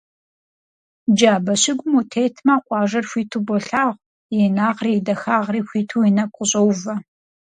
Джабэ щыгум утетмэ, къуажэр хуиту болъагъу, и инагъри и дахагъри хуиту уи нэгу къыщӀоувэ.